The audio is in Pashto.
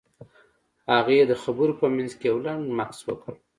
هغې د خبرو په منځ کې يو لنډ مکث وکړ.